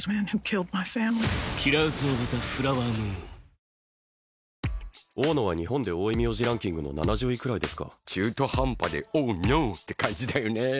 加藤いや何でもない大野は日本で多い名字ランキングの７０位くらいですか中途半端でお妙って感じだよね